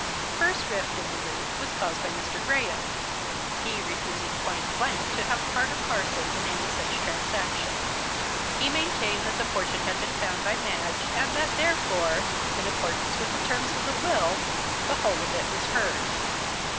The first rift in the lute was caused by Mr. Graham, he refusing point blank to have part or parcel in any such transaction. He maintained that the fortune had been found by Madge, and that therefore, in accordance with the terms of the will, the whole of it was hers.